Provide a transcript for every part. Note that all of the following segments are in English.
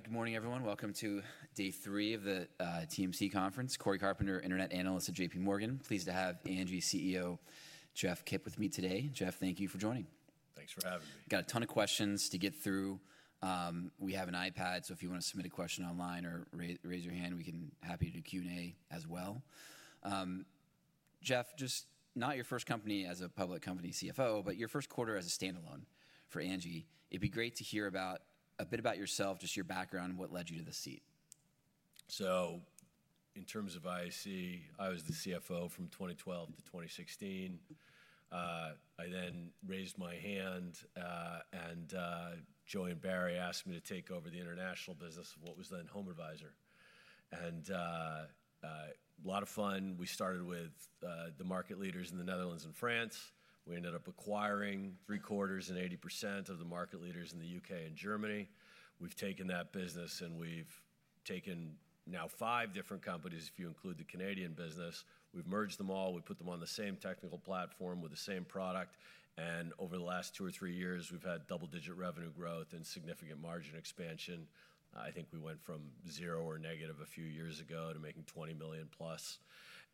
Good morning, everyone. Welcome to day three of the TMC Conference. Cory Carpenter, Internet Analyst at JPMorgan. Pleased to have Angi CEO Jeff Kip with me today. Jeff, thank you for joining. Thanks for having me. Got a ton of questions to get through. We have an iPad, so if you want to submit a question online or raise your hand, we can do Q&A as well. Jeff, just not your first company as a public company CFO, but your first quarter as a standalone for Angi. It'd be great to hear a bit about yourself, just your background, what led you to the seat. In terms of IAC, I was the CFO from 2012 to 2016. I then raised my hand, and Joey and Barry asked me to take over the international business of what was then HomeAdvisor. A lot of fun. We started with the market leaders in the Netherlands and France. We ended up acquiring three quarters and 80% of the market leaders in the U.K. and Germany. We've taken that business, and we've taken now five different companies, if you include the Canadian business. We've merged them all. We put them on the same technical platform with the same product. Over the last two or three years, we've had double-digit revenue growth and significant margin expansion. I think we went from zero or negative a few years ago to making $20 million plus.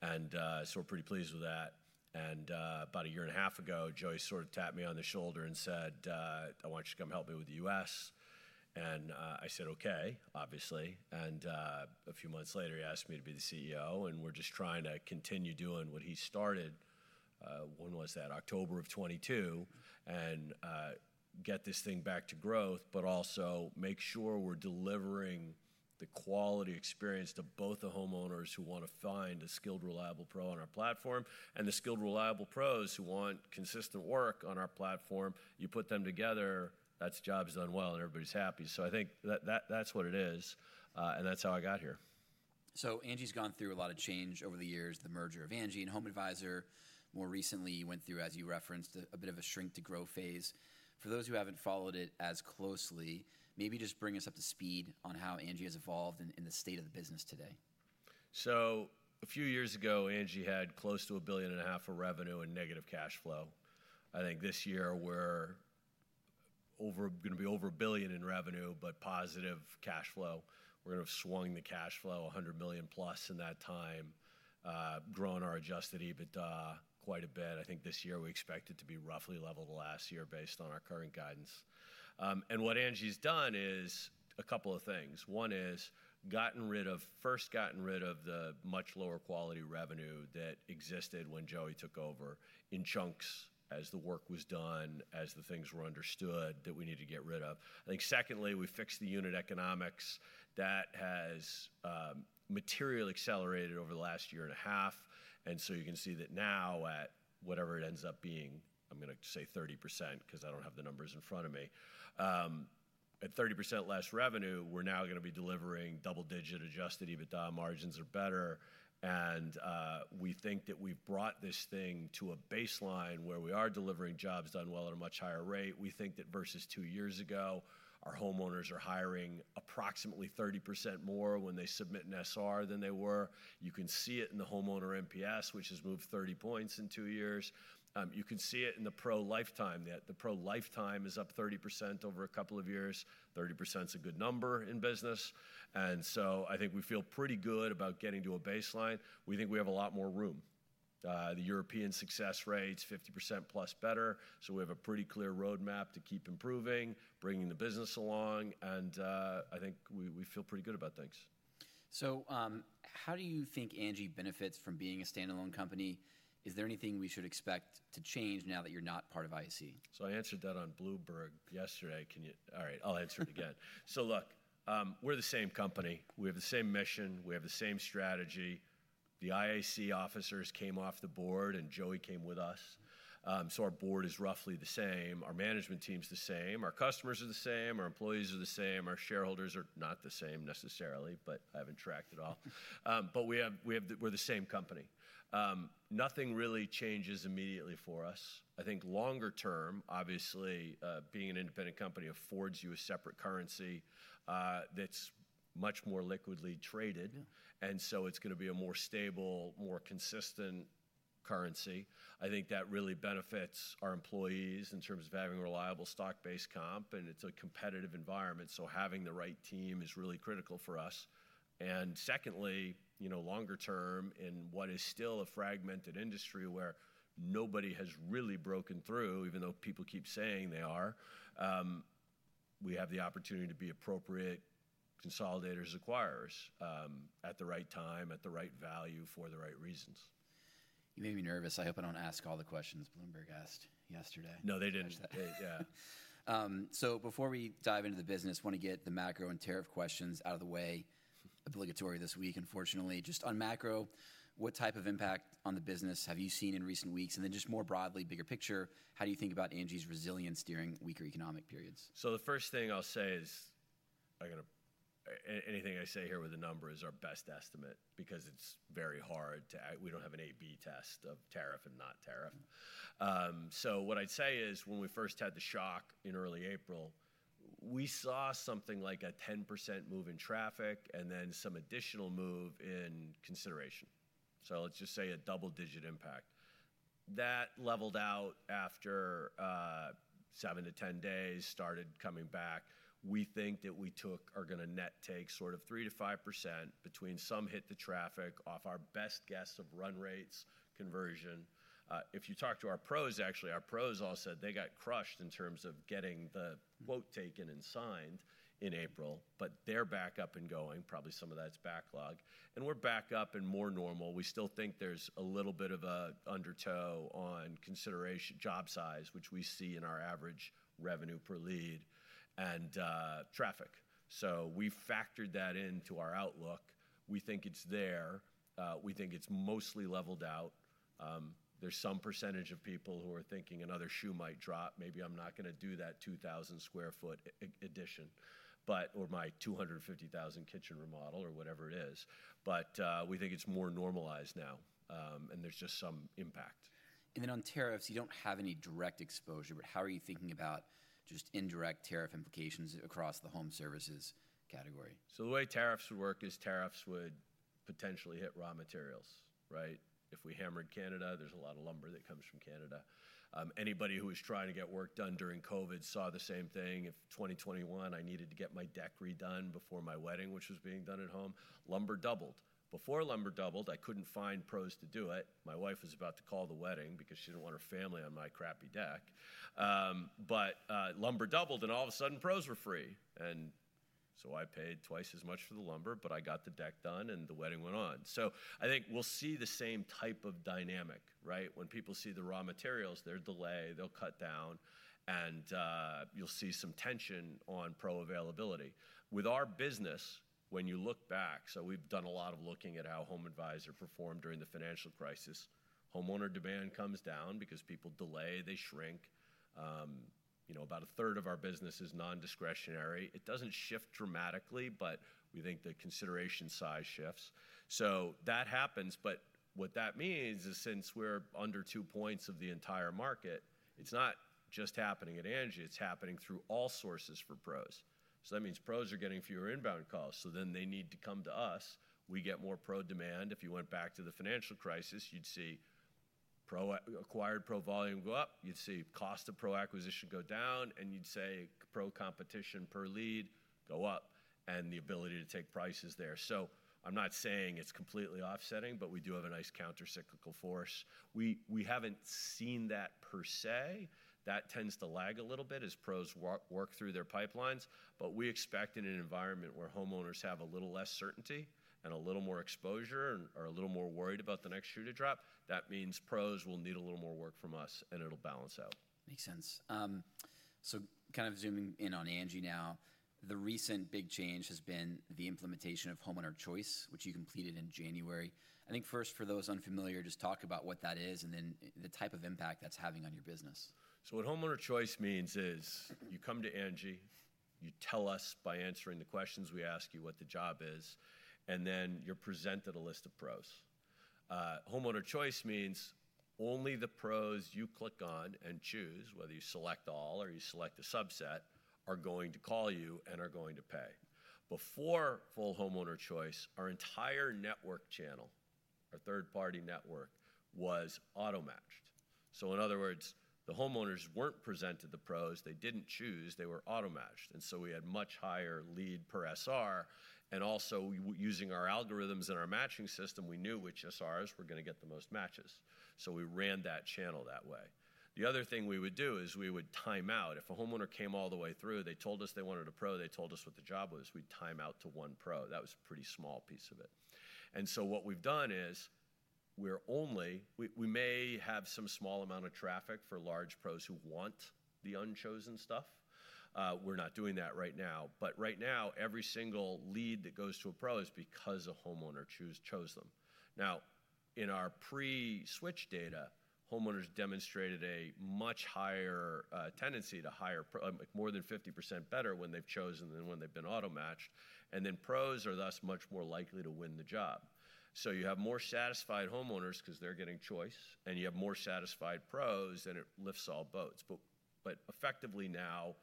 We're pretty pleased with that. About a year and a half ago, Joey sort of tapped me on the shoulder and said, "I want you to come help me with the U.S." I said, "Okay, obviously." A few months later, he asked me to be the CEO, and we're just trying to continue doing what he started. When was that? October of 2022. Get this thing back to growth, but also make sure we're delivering the quality experience to both the homeowners who want to find a skilled, reliable pro on our platform and the skilled, reliable pros who want consistent work on our platform. You put them together, that's jobs done well, and everybody's happy. I think that's what it is, and that's how I got here. Angi's gone through a lot of change over the years, the merger of Angi and HomeAdvisor. More recently, you went through, as you referenced, a bit of a shrink-to-grow phase. For those who haven't followed it as closely, maybe just bring us up to speed on how Angi has evolved and the state of the business today. A few years ago, Angi had close to $1.5 billion of revenue and negative cash flow. I think this year we're going to be over $1 billion in revenue, but positive cash flow. We're going to have swung the cash flow $100 million plus in that time, growing our adjusted EBITDA quite a bit. I think this year we expect it to be roughly level to last year based on our current guidance. What Angi's done is a couple of things. One is gotten rid of, first gotten rid of the much lower quality revenue that existed when Joey took over in chunks as the work was done, as the things were understood that we need to get rid of. I think secondly, we fixed the unit economics that has materially accelerated over the last year and a half. You can see that now at whatever it ends up being, I'm going to say 30% because I don't have the numbers in front of me. At 30% less revenue, we're now going to be delivering double-digit adjusted EBITDA margins or better. We think that we've brought this thing to a baseline where we are delivering jobs done well at a much higher rate. We think that versus two years ago, our homeowners are hiring approximately 30% more when they submit an SR than they were. You can see it in the homeowner NPS, which has moved 30 points in two years. You can see it in the pro lifetime that the pro lifetime is up 30% over a couple of years. 30% is a good number in business. I think we feel pretty good about getting to a baseline. We think we have a lot more room. The European success rates, 50% plus better. We have a pretty clear roadmap to keep improving, bringing the business along. I think we feel pretty good about things. How do you think Angi benefits from being a standalone company? Is there anything we should expect to change now that you're not part of IAC? I answered that on Bloomberg yesterday. All right, I'll answer it again. Look, we're the same company. We have the same mission. We have the same strategy. The IAC officers came off the board and Joey came with us. Our board is roughly the same. Our management team's the same. Our customers are the same. Our employees are the same. Our shareholders are not the same necessarily, but I haven't tracked it all. We're the same company. Nothing really changes immediately for us. I think longer term, obviously, being an independent company affords you a separate currency that's much more liquidly traded. It's going to be a more stable, more consistent currency. I think that really benefits our employees in terms of having a reliable stock-based comp. It's a competitive environment. Having the right team is really critical for us. Secondly, longer term in what is still a fragmented industry where nobody has really broken through, even though people keep saying they are, we have the opportunity to be appropriate consolidators and acquirers at the right time, at the right value for the right reasons. You made me nervous. I hope I don't ask all the questions Bloomberg asked yesterday. No, they didn't. Yeah. Before we dive into the business, I want to get the macro and tariff questions out of the way. Obligatory this week, unfortunately. Just on macro, what type of impact on the business have you seen in recent weeks? And then just more broadly, bigger picture, how do you think about Angi's resilience during weaker economic periods? The first thing I'll say is anything I say here with a number is our best estimate because it's very hard to—we don't have an A/B test of tariff and not tariff. What I'd say is when we first had the shock in early April, we saw something like a 10% move in traffic and then some additional move in consideration. Let's just say a double-digit impact. That leveled out after 7-10 days, started coming back. We think that we took—are going to net take sort of 3-5% between some hit to traffic off our best guess of run rates conversion. If you talk to our pros, actually, our pros all said they got crushed in terms of getting the quote taken and signed in April, but they're back up and going. Probably some of that's backlog. We're back up and more normal. We still think there's a little bit of an undertow on consideration job size, which we see in our average revenue per lead and traffic. We factored that into our outlook. We think it's there. We think it's mostly leveled out. There's some percentage of people who are thinking another shoe might drop. Maybe I'm not going to do that 2,000 sq ft addition or my $250,000 kitchen remodel or whatever it is. We think it's more normalized now, and there's just some impact. On tariffs, you do not have any direct exposure, but how are you thinking about just indirect tariff implications across the home services category? The way tariffs would work is tariffs would potentially hit raw materials, right? If we hammered Canada, there's a lot of lumber that comes from Canada. Anybody who was trying to get work done during COVID saw the same thing. In 2021, I needed to get my deck redone before my wedding, which was being done at home, lumber doubled. Before lumber doubled, I could not find pros to do it. My wife was about to call the wedding because she did not want her family on my crappy deck. Lumber doubled, and all of a sudden, pros were free. I paid twice as much for the lumber, but I got the deck done, and the wedding went on. I think we will see the same type of dynamic, right? When people see the raw materials, they'll delay, they'll cut down, and you'll see some tension on pro availability. With our business, when you look back, we've done a lot of looking at how HomeAdvisor performed during the financial crisis. Homeowner demand comes down because people delay, they shrink. About a third of our business is non-discretionary. It doesn't shift dramatically, but we think the consideration size shifts. That happens. What that means is since we're under two points of the entire market, it's not just happening at Angi. It's happening through all sources for pros. That means pros are getting fewer inbound calls. They need to come to us. We get more pro demand. If you went back to the financial crisis, you'd see acquired pro volume go up. You'd see cost of pro acquisition go down, and you'd see pro competition per lead go up and the ability to take prices there. I'm not saying it's completely offsetting, but we do have a nice countercyclical force. We haven't seen that per se. That tends to lag a little bit as pros work through their pipelines. We expect in an environment where homeowners have a little less certainty and a little more exposure or a little more worried about the next shoe to drop, that means pros will need a little more work from us, and it'll balance out. Makes sense. Kind of zooming in on Angi now, the recent big change has been the implementation of Homeowner Choice, which you completed in January. I think first, for those unfamiliar, just talk about what that is and then the type of impact that's having on your business. What Homeowner Choice means is you come to Angi, you tell us by answering the questions we ask you what the job is, and then you're presented a list of pros. Homeowner Choice means only the pros you click on and choose, whether you select all or you select a subset, are going to call you and are going to pay. Before full Homeowner Choice, our entire network channel, our third-party network, was auto-matched. In other words, the homeowners were not presented the pros. They did not choose. They were auto-matched. We had much higher lead per SR. Also, using our algorithms and our matching system, we knew which SRs were going to get the most matches. We ran that channel that way. The other thing we would do is we would time out. If a homeowner came all the way through, they told us they wanted a pro, they told us what the job was, we would time out to one pro. That was a pretty small piece of it. What we have done is we may have some small amount of traffic for large pros who want the unchosen stuff. We are not doing that right now. Right now, every single lead that goes to a pro is because a homeowner chose them. In our pre-switch data, homeowners demonstrated a much higher tendency to hire, more than 50% better when they have chosen than when they have been auto-matched. Pros are thus much more likely to win the job. You have more satisfied homeowners because they are getting choice, and you have more satisfied pros, and it lifts all boats. Effectively now,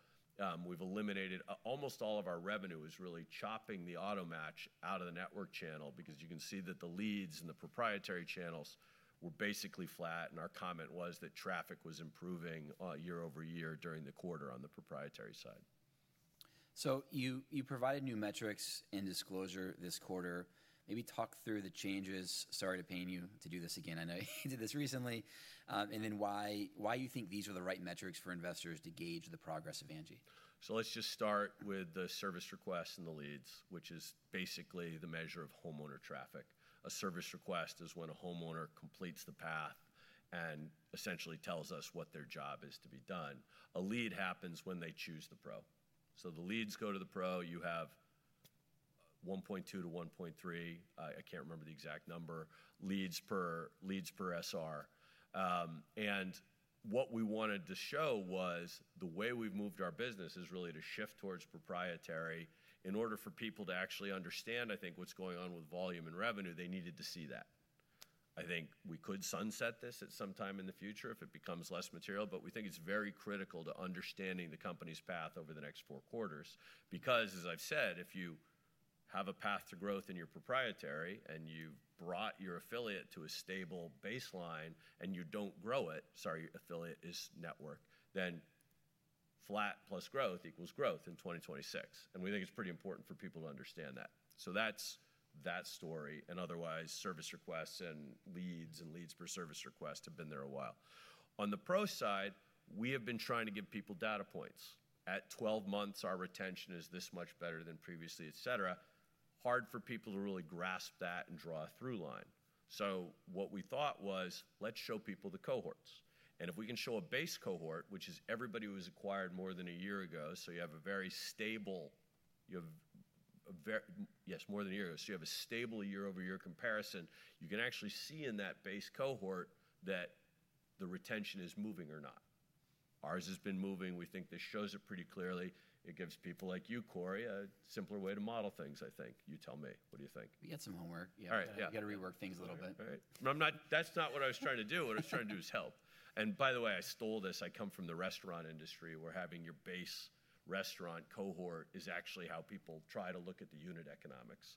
we've eliminated almost all of our revenue is really chopping the auto-match out of the network channel because you can see that the leads and the proprietary channels were basically flat. Our comment was that traffic was improving year over year during the quarter on the proprietary side. You provided new metrics and disclosure this quarter. Maybe talk through the changes. Sorry to pain you to do this again. I know you did this recently. Why you think these are the right metrics for investors to gauge the progress of Angi. Let's just start with the service requests and the leads, which is basically the measure of homeowner traffic. A service request is when a homeowner completes the path and essentially tells us what their job is to be done. A lead happens when they choose the pro. The leads go to the pro. You have 1.2-1.3, I can't remember the exact number, leads per SR. What we wanted to show was the way we've moved our business is really to shift towards proprietary. In order for people to actually understand, I think, what's going on with volume and revenue, they needed to see that. I think we could sunset this at some time in the future if it becomes less material. We think it's very critical to understanding the company's path over the next four quarters because, as I've said, if you have a path to growth in your proprietary and you've brought your affiliate to a stable baseline and you don't grow it, sorry, affiliate is network, then flat plus growth equals growth in 2026. We think it's pretty important for people to understand that. That's that story. Otherwise, service requests and leads and leads per service request have been there a while. On the pro side, we have been trying to give people data points. At 12 months, our retention is this much better than previously, et cetera. Hard for people to really grasp that and draw a through line. What we thought was, let's show people the cohorts. If we can show a base cohort, which is everybody who was acquired more than a year ago, you have a very stable, yes, more than a year ago. You have a stable year-over-year comparison. You can actually see in that base cohort that the retention is moving or not. Ours has been moving. We think this shows it pretty clearly. It gives people like you, Cory, a simpler way to model things, I think. You tell me. What do you think? We got some homework. Yeah. All right. Yeah. You got to rework things a little bit. Right. That's not what I was trying to do. What I was trying to do is help. By the way, I stole this. I come from the restaurant industry, where having your base restaurant cohort is actually how people try to look at the unit economics.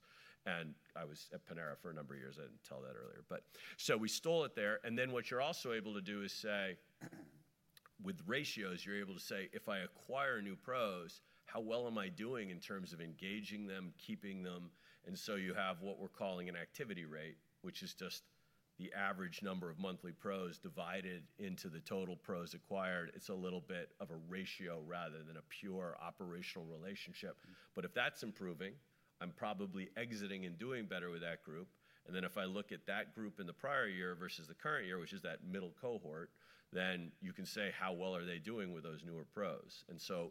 I was at Panera for a number of years. I didn't tell that earlier. We stole it there. What you're also able to do is say, with ratios, you're able to say, if I acquire new pros, how well am I doing in terms of engaging them, keeping them? You have what we're calling an activity rate, which is just the average number of monthly pros divided into the total pros acquired. It's a little bit of a ratio rather than a pure operational relationship. If that's improving, I'm probably exiting and doing better with that group. If I look at that group in the prior year versus the current year, which is that middle cohort, then you can say, how well are they doing with those newer pros?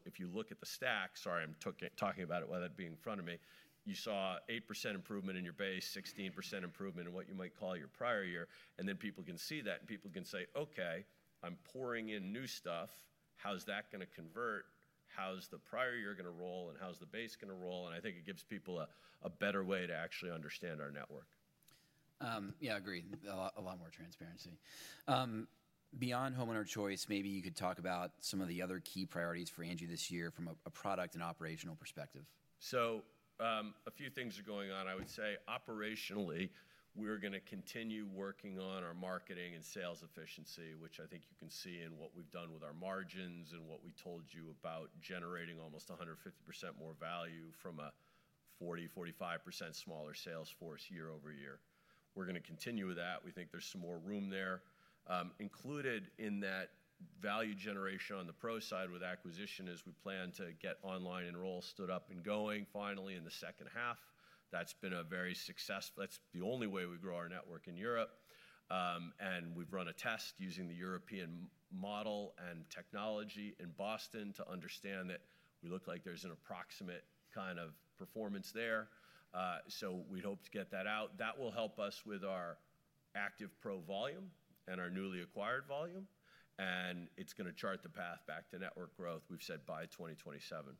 If you look at the stack, sorry, I'm talking about it while that'd be in front of me, you saw 8% improvement in your base, 16% improvement in what you might call your prior year. People can see that, and people can say, okay, I'm pouring in new stuff. How's that going to convert? How's the prior year going to roll? How's the base going to roll? I think it gives people a better way to actually understand our network. Yeah, I agree. A lot more transparency. Beyond Homeowner Choice, maybe you could talk about some of the other key priorities for Angi this year from a product and operational perspective. A few things are going on. I would say operationally, we're going to continue working on our marketing and sales efficiency, which I think you can see in what we've done with our margins and what we told you about generating almost 150% more value from a 40-45% smaller sales force year-over-year. We're going to continue with that. We think there's some more room there. Included in that value generation on the pro side with acquisition is we plan to get online enrolls stood up and going finally in the second half. That's been very successful. That's the only way we grow our network in Europe. We've run a test using the European model and technology in Boston to understand that. We look like there's an approximate kind of performance there. We hope to get that out. That will help us with our active pro volume and our newly acquired volume. It is going to chart the path back to network growth, we have said, by 2027.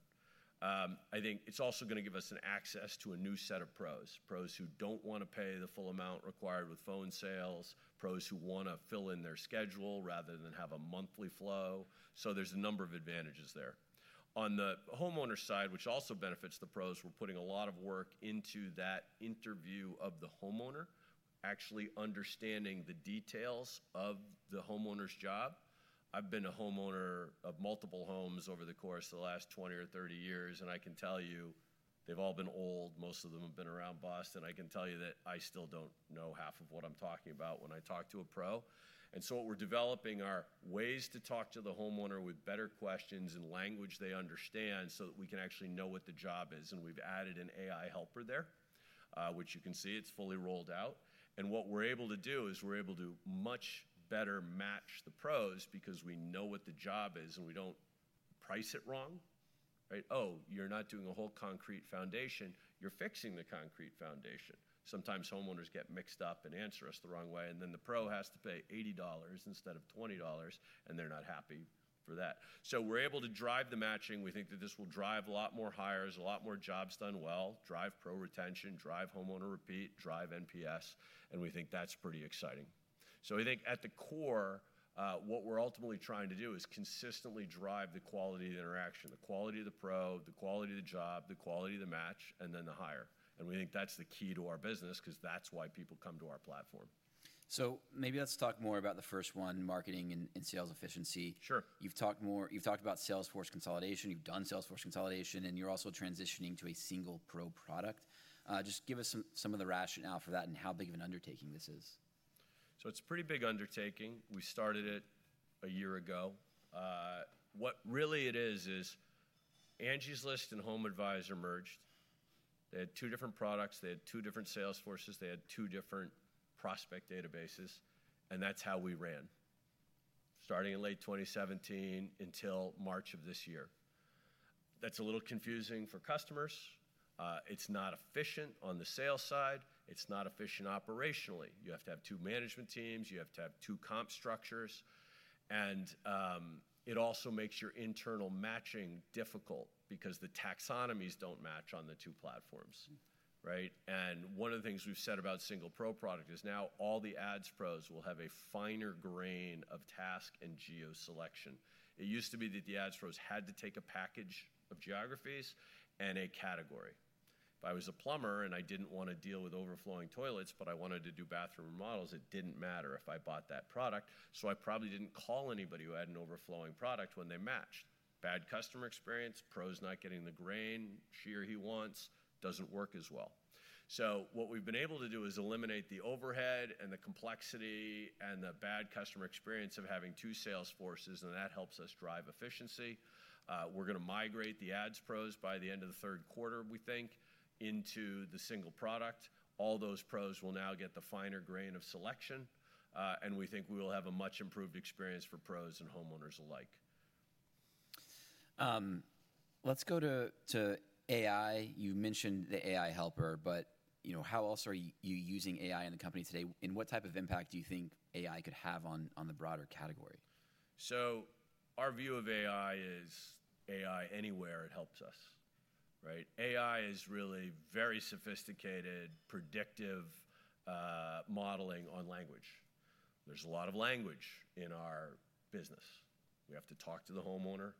I think it is also going to give us access to a new set of pros, pros who do not want to pay the full amount required with phone sales, pros who want to fill in their schedule rather than have a monthly flow. There are a number of advantages there. On the homeowner side, which also benefits the pros, we are putting a lot of work into that interview of the homeowner, actually understanding the details of the homeowner's job. I have been a homeowner of multiple homes over the course of the last 20 or 30 years, and I can tell you they have all been old. Most of them have been around Boston. I can tell you that I still don't know half of what I'm talking about when I talk to a pro. What we're developing are ways to talk to the homeowner with better questions and language they understand so that we can actually know what the job is. We've added an AI Helper there, which you can see is fully rolled out. What we're able to do is we're able to much better match the pros because we know what the job is and we don't price it wrong. Oh, you're not doing a whole concrete foundation. You're fixing the concrete foundation. Sometimes homeowners get mixed up and answer us the wrong way. The pro has to pay $80 instead of $20, and they're not happy for that. We're able to drive the matching. We think that this will drive a lot more hires, a lot more jobs done well, drive pro retention, drive homeowner repeat, drive NPS. We think that's pretty exciting. I think at the core, what we're ultimately trying to do is consistently drive the quality of the interaction, the quality of the pro, the quality of the job, the quality of the match, and then the hire. We think that's the key to our business because that's why people come to our platform. Maybe let's talk more about the first one, marketing and sales efficiency. Sure. You've talked about salesforce consolidation. You've done salesforce consolidation, and you're also transitioning to a single pro product. Just give us some of the rationale for that and how big of an undertaking this is. It's a pretty big undertaking. We started it a year ago. What really it is is Angie's List and HomeAdvisor merged. They had two different products. They had two different sales forces. They had two different prospect databases. That's how we ran, starting in late 2017 until March of this year. That's a little confusing for customers. It's not efficient on the sales side. It's not efficient operationally. You have to have two management teams. You have to have two comp structures. It also makes your internal matching difficult because the taxonomies don't match on the two platforms. One of the things we've said about single pro product is now all the ads pros will have a finer grain of task and geo selection. It used to be that the ads pros had to take a package of geographies and a category. If I was a plumber and I didn't want to deal with overflowing toilets, but I wanted to do bathroom remodels, it didn't matter if I bought that product. I probably didn't call anybody who had an overflowing product when they matched. Bad customer experience, pros not getting the grain she or he wants, doesn't work as well. What we've been able to do is eliminate the overhead and the complexity and the bad customer experience of having two sales forces, and that helps us drive efficiency. We're going to migrate the ads pros by the end of the third quarter, we think, into the single product. All those pros will now get the finer grain of selection. We think we will have a much improved experience for pros and homeowners alike. Let's go to AI. You mentioned the AI Helper, but how else are you using AI in the company today? What type of impact do you think AI could have on the broader category? Our view of AI is AI anywhere, it helps us. AI is really very sophisticated, predictive modeling on language. There is a lot of language in our business. We have to talk to the homeowner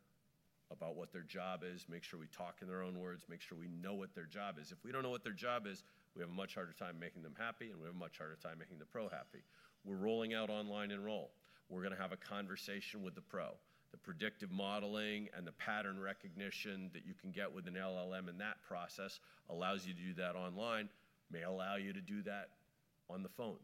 about what their job is, make sure we talk in their own words, make sure we know what their job is. If we do not know what their job is, we have a much harder time making them happy, and we have a much harder time making the pro happy. We are rolling out online enroll. We are going to have a conversation with the pro. The predictive modeling and the pattern recognition that you can get with an LLM in that process allows you to do that online, may allow you to do that on the phone.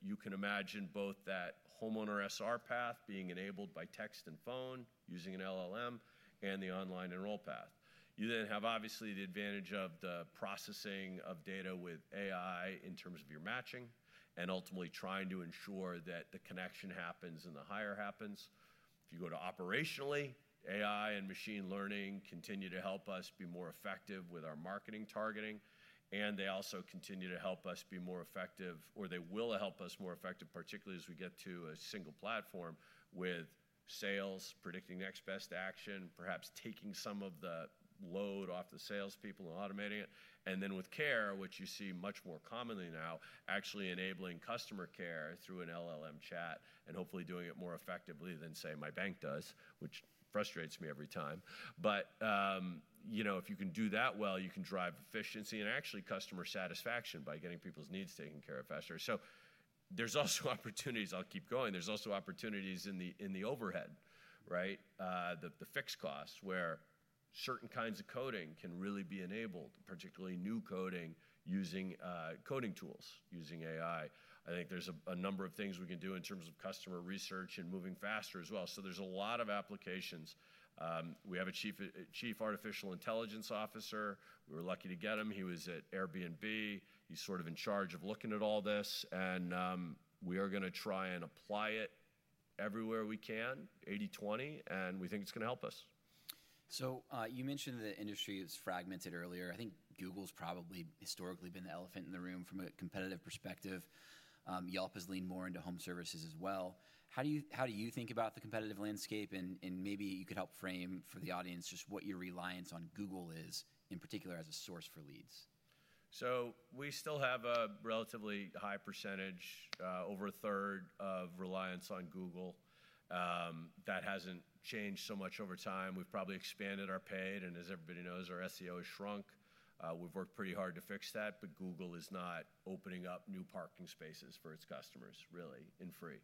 You can imagine both that homeowner SR path being enabled by text and phone using an LLM and the online enroll path. You then have obviously the advantage of the processing of data with AI in terms of your matching and ultimately trying to ensure that the connection happens and the hire happens. If you go to operationally, AI and machine learning continue to help us be more effective with our marketing targeting. They also continue to help us be more effective, or they will help us be more effective, particularly as we get to a single platform with sales, predicting next best action, perhaps taking some of the load off the salespeople and automating it. With care, which you see much more commonly now, actually enabling customer care through an LLM chat and hopefully doing it more effectively than, say, my bank does, which frustrates me every time. If you can do that well, you can drive efficiency and actually customer satisfaction by getting people's needs taken care of faster. There are also opportunities. I'll keep going. There are also opportunities in the overhead, the fixed costs, where certain kinds of coding can really be enabled, particularly new coding using coding tools, using AI. I think there are a number of things we can do in terms of customer research and moving faster as well. There are a lot of applications. We have a Chief Artificial Intelligence Officer. We were lucky to get him. He was at Airbnb. He is sort of in charge of looking at all this. We are going to try and apply it everywhere we can, 80/20, and we think it's going to help us. You mentioned the industry is fragmented earlier. I think Google has probably historically been the elephant in the room from a competitive perspective. Yelp has leaned more into home services as well. How do you think about the competitive landscape? Maybe you could help frame for the audience just what your reliance on Google is, in particular as a source for leads. We still have a relatively high percentage, over a third, of reliance on Google. That has not changed so much over time. We have probably expanded our paid. As everybody knows, our SEO has shrunk. We have worked pretty hard to fix that, but Google is not opening up new parking spaces for its customers, really, in free.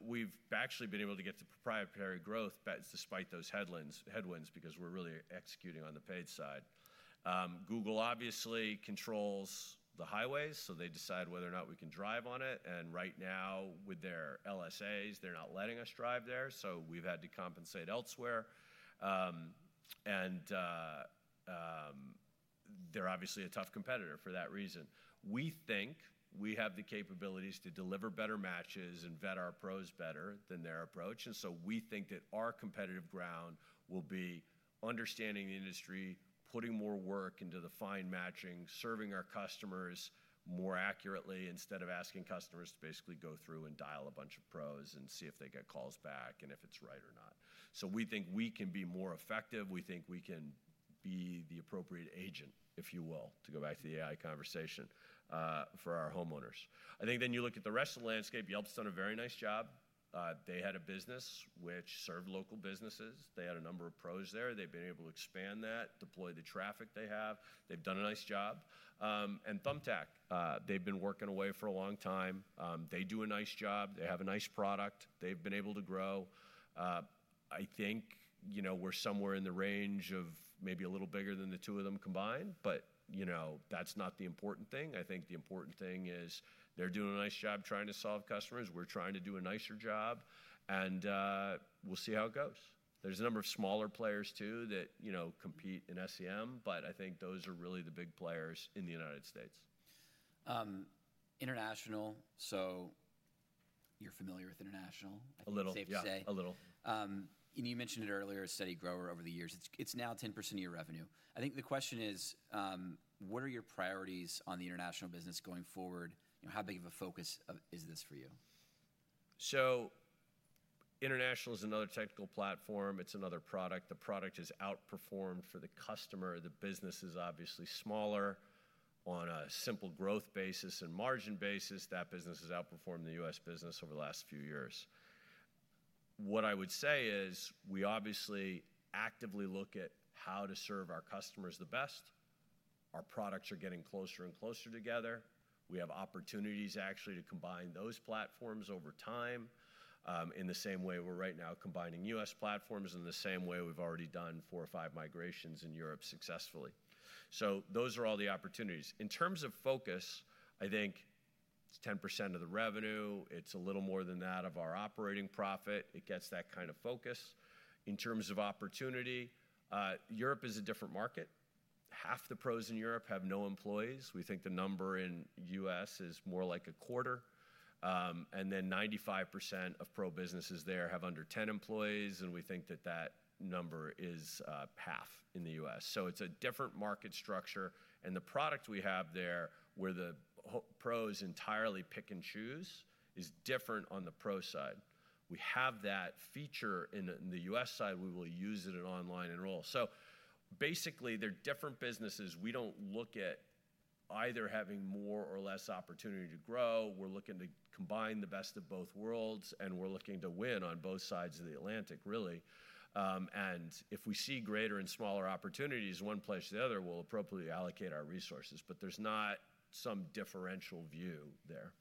We have actually been able to get to proprietary growth despite those headwinds because we are really executing on the paid side. Google obviously controls the highways, so they decide whether or not we can drive on it. Right now, with their LSAs, they are not letting us drive there. We have had to compensate elsewhere. They are obviously a tough competitor for that reason. We think we have the capabilities to deliver better matches and vet our pros better than their approach. We think that our competitive ground will be understanding the industry, putting more work into the fine matching, serving our customers more accurately instead of asking customers to basically go through and dial a bunch of pros and see if they get calls back and if it is right or not. We think we can be more effective. We think we can be the appropriate agent, if you will, to go back to the AI conversation for our homeowners. I think then you look at the rest of the landscape. Yelp has done a very nice job. They had a business which served local businesses. They had a number of pros there. They have been able to expand that, deploy the traffic they have. They have done a nice job. Thumbtack, they have been working away for a long time. They do a nice job. They have a nice product. They've been able to grow. I think we're somewhere in the range of maybe a little bigger than the two of them combined, but that's not the important thing. I think the important thing is they're doing a nice job trying to solve customers. We're trying to do a nicer job. We'll see how it goes. There's a number of smaller players, too, that compete in SEM, but I think those are really the big players in the United States. International, so you're familiar with international, I think it's safe to say. A little. You mentioned it earlier, a steady grower over the years. It is now 10% of your revenue. I think the question is, what are your priorities on the international business going forward? How big of a focus is this for you? International is another technical platform. It's another product. The product has outperformed for the customer. The business is obviously smaller. On a simple growth basis and margin basis, that business has outperformed the U.S. business over the last few years. What I would say is we obviously actively look at how to serve our customers the best. Our products are getting closer and closer together. We have opportunities actually to combine those platforms over time in the same way we're right now combining U.S. platforms and the same way we've already done four or five migrations in Europe successfully. Those are all the opportunities. In terms of focus, I think it's 10% of the revenue. It's a little more than that of our operating profit. It gets that kind of focus. In terms of opportunity, Europe is a different market. Half the pros in Europe have no employees. We think the number in the U.S. is more like a quarter. Then 95% of pro businesses there have under 10 employees, and we think that number is half in the U.S. It is a different market structure. The product we have there where the pros entirely pick and choose is different on the pro side. We have that feature in the U.S. side. We will use it in online enroll. Basically, they are different businesses. We do not look at either having more or less opportunity to grow. We are looking to combine the best of both worlds, and we are looking to win on both sides of the Atlantic, really. If we see greater and smaller opportunities one place or the other, we will appropriately allocate our resources. There is not some differential view there.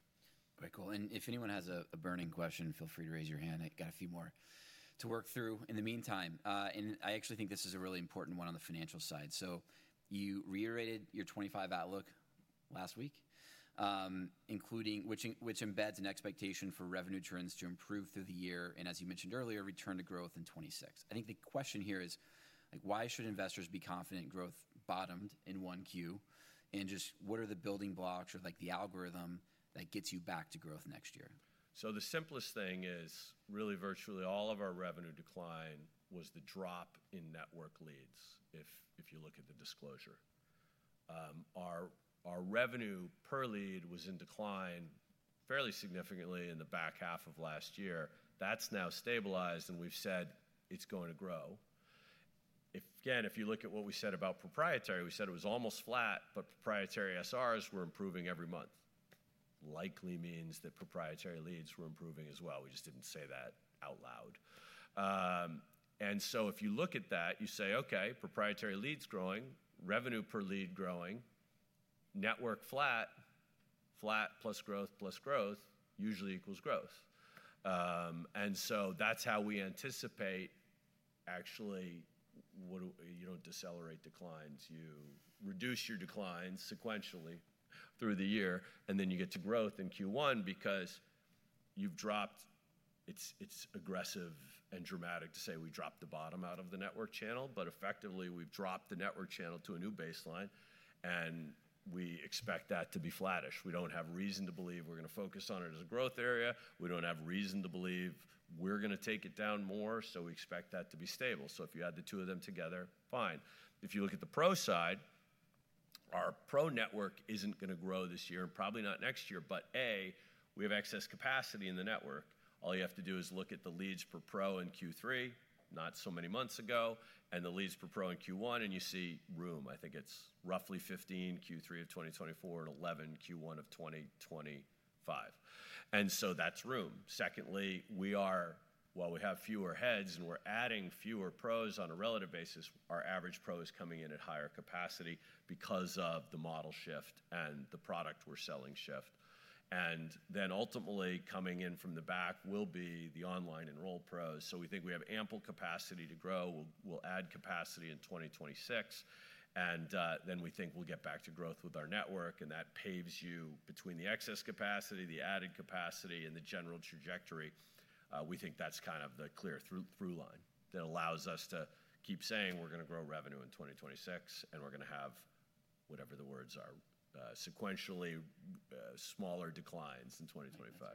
Very cool. If anyone has a burning question, feel free to raise your hand. I got a few more to work through. In the meantime, I actually think this is a really important one on the financial side. You reiterated your 2025 outlook last week, which embeds an expectation for revenue trends to improve through the year and, as you mentioned earlier, return to growth in 2026. I think the question here is, why should investors be confident growth bottomed in Q1? Just what are the building blocks or the algorithm that gets you back to growth next year? The simplest thing is really virtually all of our revenue decline was the drop in network leads, if you look at the disclosure. Our revenue per lead was in decline fairly significantly in the back half of last year. That's now stabilized, and we've said it's going to grow. Again, if you look at what we said about proprietary, we said it was almost flat, but proprietary SRs were improving every month. Likely means that proprietary leads were improving as well. We just didn't say that out loud. If you look at that, you say, okay, proprietary leads growing, revenue per lead growing, network flat, flat plus growth plus growth usually equals growth. That's how we anticipate actually you don't decelerate declines. You reduce your declines sequentially through the year, and then you get to growth in Q1 because you've dropped. It's aggressive and dramatic to say we dropped the bottom out of the network channel, but effectively we've dropped the network channel to a new baseline, and we expect that to be flattish. We don't have reason to believe we're going to focus on it as a growth area. We don't have reason to believe we're going to take it down more, so we expect that to be stable. If you add the two of them together, fine. If you look at the pro side, our pro network isn't going to grow this year and probably not next year, but A, we have excess capacity in the network. All you have to do is look at the leads per pro in Q3, not so many months ago, and the leads per pro in Q1, and you see room. I think it's roughly 15 Q3 of 2024 and 11 Q1 of 2025. That's room. Secondly, while we have fewer heads and we're adding fewer pros on a relative basis, our average pro is coming in at higher capacity because of the model shift and the product we're selling shift. Ultimately, coming in from the back will be the online enrolled pros. We think we have ample capacity to grow. We'll add capacity in 2026. We think we'll get back to growth with our network, and that paves you between the excess capacity, the added capacity, and the general trajectory. We think that's kind of the clear through line that allows us to keep saying we're going to grow revenue in 2026, and we're going to have whatever the words are, sequentially smaller declines in 2025.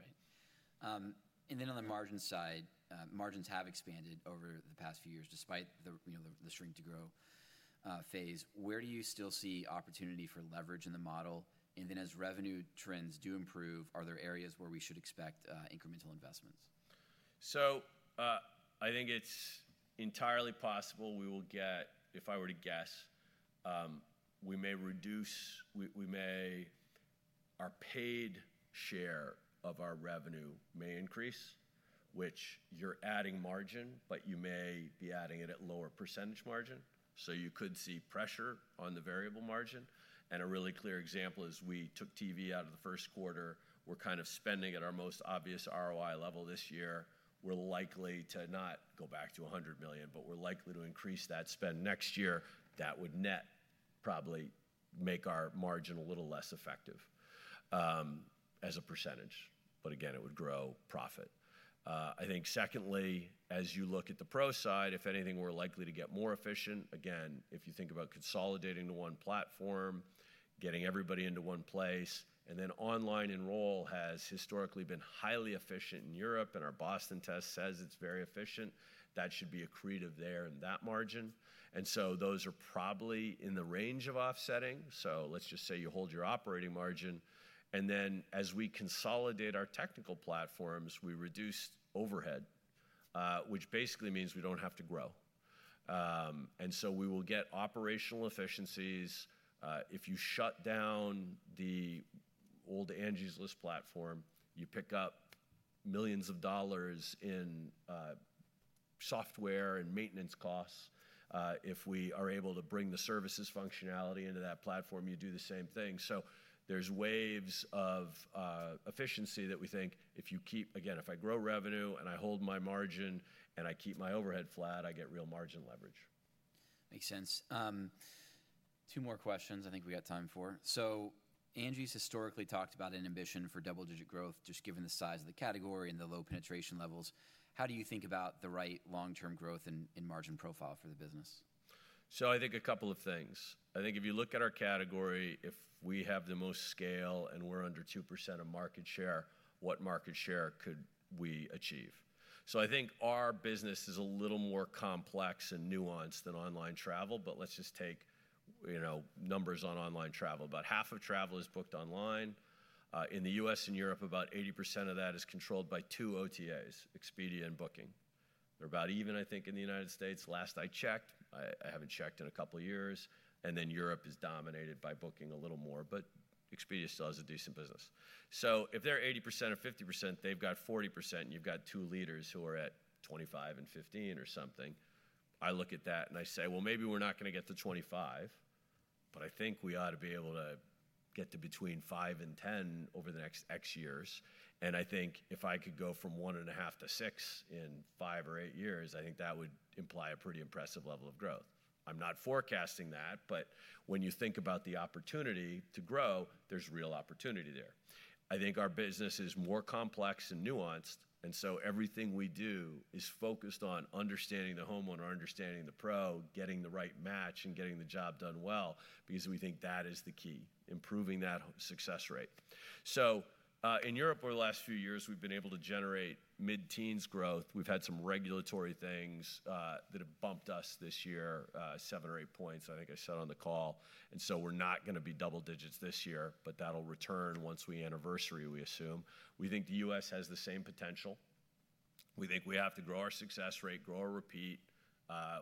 On the margin side, margins have expanded over the past few years despite the shrink to grow phase. Where do you still see opportunity for leverage in the model? As revenue trends do improve, are there areas where we should expect incremental investments? I think it's entirely possible we will get, if I were to guess, we may reduce our paid share of our revenue may increase, which you're adding margin, but you may be adding it at lower percentage margin. You could see pressure on the variable margin. A really clear example is we took TV out of the first quarter. We're kind of spending at our most obvious ROI level this year. We're likely to not go back to $100 million, but we're likely to increase that spend next year. That would net probably make our margin a little less effective as a percentage. Again, it would grow profit. I think secondly, as you look at the pro side, if anything, we're likely to get more efficient. Again, if you think about consolidating to one platform, getting everybody into one place, and then online enroll has historically been highly efficient in Europe, and our Boston test says it's very efficient, that should be accretive there in that margin. Those are probably in the range of offsetting. Let's just say you hold your operating margin. As we consolidate our technical platforms, we reduce overhead, which basically means we do not have to grow. We will get operational efficiencies. If you shut down the old Angie's List platform, you pick up millions of dollars in software and maintenance costs. If we are able to bring the services functionality into that platform, you do the same thing. There are waves of efficiency that we think if you keep, again, if I grow revenue and I hold my margin and I keep my overhead flat, I get real margin leverage. Makes sense. Two more questions I think we got time for. Angi's historically talked about an ambition for double-digit growth just given the size of the category and the low penetration levels. How do you think about the right long-term growth and margin profile for the business? I think a couple of things. I think if you look at our category, if we have the most scale and we're under 2% of market share, what market share could we achieve? I think our business is a little more complex and nuanced than online travel, but let's just take numbers on online travel. About half of travel is booked online. In the U.S. and Europe, about 80% of that is controlled by two OTAs, Expedia and Booking. They're about even, I think, in the United States. Last I checked, I haven't checked in a couple of years. Europe is dominated by Booking a little more, but Expedia still has a decent business. If they're 80% or 50%, they've got 40%, and you've got two leaders who are at 25 and 15 or something. I look at that and I say, well, maybe we're not going to get to 25, but I think we ought to be able to get to between five and 10 over the next X years. And I think if I could go from 1.5 to 6 in 5 or 8 years, I think that would imply a pretty impressive level of growth. I'm not forecasting that, but when you think about the opportunity to grow, there's real opportunity there. I think our business is more complex and nuanced, and so everything we do is focused on understanding the homeowner, understanding the pro, getting the right match, and getting the job done well because we think that is the key, improving that success rate. So in Europe over the last few years, we've been able to generate mid-teens growth. We've had some regulatory things that have bumped us this year, seven or eight points, I think I said on the call. We're not going to be double digits this year, but that'll return once we anniversary, we assume. We think the U.S. has the same potential. We think we have to grow our success rate, grow our repeat.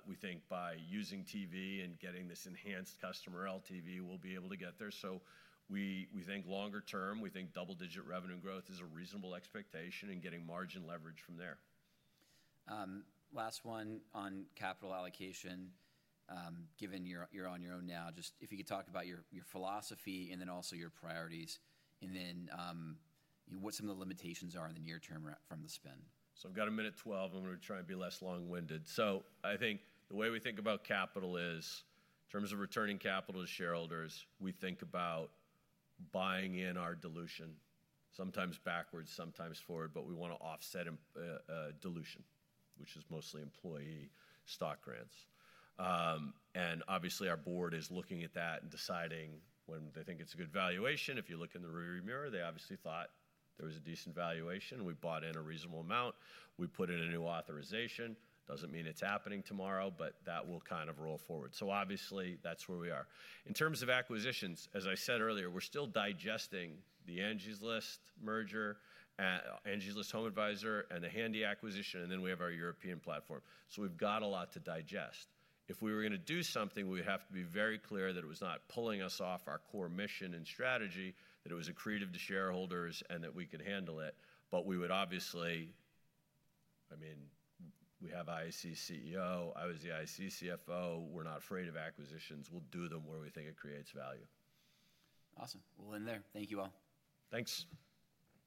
We think by using TV and getting this enhanced customer LTV, we'll be able to get there. We think longer term, we think double-digit revenue growth is a reasonable expectation and getting margin leverage from there. Last one on capital allocation. Given you're on your own now, just if you could talk about your philosophy and then also your priorities and then what some of the limitations are in the near term from the spend. I've got a minute 12. I'm going to try and be less long-winded. I think the way we think about capital is in terms of returning capital to shareholders, we think about buying in our dilution, sometimes backwards, sometimes forward, but we want to offset dilution, which is mostly employee stock grants. Obviously, our board is looking at that and deciding when they think it's a good valuation. If you look in the rearview mirror, they obviously thought there was a decent valuation. We bought in a reasonable amount. We put in a new authorization. It does not mean it's happening tomorrow, but that will kind of roll forward. Obviously, that's where we are. In terms of acquisitions, as I said earlier, we're still digesting the Angie's List merger, Angie's List HomeAdvisor, and the Handy acquisition, and then we have our European platform. We've got a lot to digest. If we were going to do something, we would have to be very clear that it was not pulling us off our core mission and strategy, that it was accretive to shareholders and that we could handle it. We would obviously, I mean, we have IAC CEO. I was the IAC CFO. We're not afraid of acquisitions. We'll do them where we think it creates value. Awesome. We'll end there. Thank you all. Thanks.